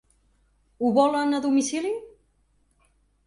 Ho volen a domicili?